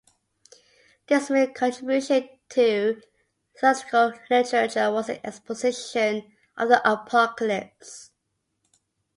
His main contribution to theological literature was an exposition of the Apocalypse.